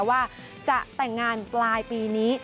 ว่าจะแต่งงานปลายปีนี้